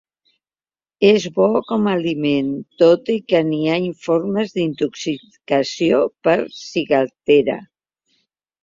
És bo com a aliment, tot i que n'hi ha informes d'intoxicació per ciguatera.